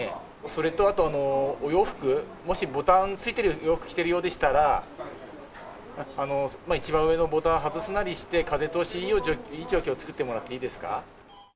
それとお洋服、もしボタン付いてる洋服着ているようでしたら、一番上のボタンを外すなりして、風通しいい状況を作ってもらっていいですか。